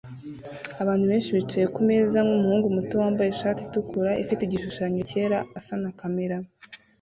Abana benshi bicaye kumeza nkumuhungu muto wambaye ishati itukura ifite igishushanyo cyera asa na kamera